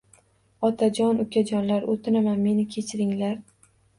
Otajon ukajonlar o‘tinaman meni kechiringlar